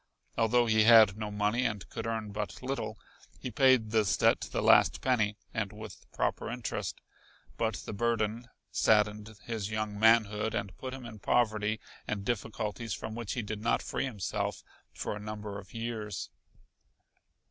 Although he had no money and could earn but little, he paid this debt to the last penny and with proper interest, but the burden saddened his young manhood and put him in poverty and difficulties from which he did not free himself for a number of years.